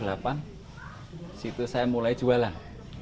di situ saya mulai jualan